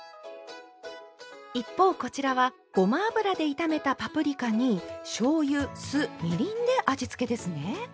一方こちらはごま油で炒めたパプリカにしょうゆ酢みりんで味付けですね。